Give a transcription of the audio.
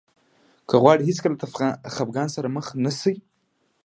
که غواړئ هېڅکله د خفګان سره مخ نه شئ.